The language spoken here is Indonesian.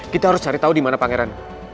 kita harus cari tau dimana pangeran